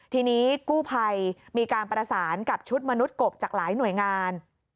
ทีนี้กู้ภัยมีการประสานกับชุดมนุษย์กบจากหลายหน่วยงาน